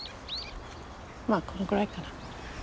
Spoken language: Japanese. まあこのぐらいかな。